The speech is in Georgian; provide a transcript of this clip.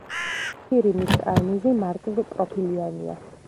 შირიმის კარნიზი მარტივპროფილიანია.